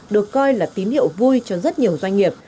được coi là tín hiệu vui cho rất nhiều doanh nghiệp